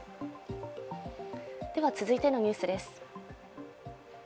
続いてのニュースです。